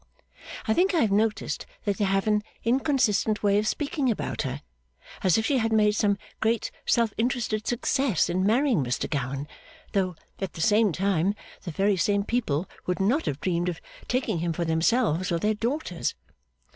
I think I have noticed that they have an inconsistent way of speaking about her, as if she had made some great self interested success in marrying Mr Gowan, though, at the same time, the very same people, would not have dreamed of taking him for themselves or their daughters.